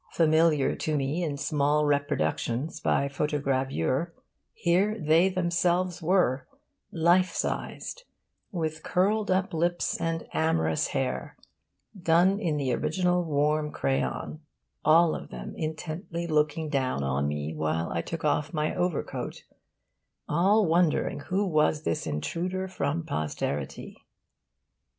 Familiar to me in small reproductions by photogravure, here they themselves were, life sized, 'with curled up lips and amorous hair' done in the original warm crayon, all of them intently looking down on me while I took off my overcoat all wondering who was this intruder from posterity.